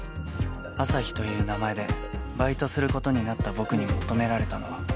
アサヒという名前でバイトする事になった僕に求められたのは